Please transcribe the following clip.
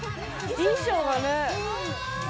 衣装がね。